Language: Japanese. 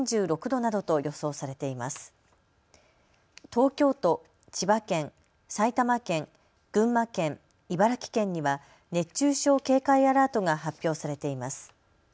東京都、千葉県、埼玉県、群馬県、茨城県には熱中症警戒アラートが発表されています。